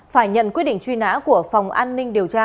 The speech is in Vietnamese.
phải nhận quyết định truy nã của phòng an ninh điều tra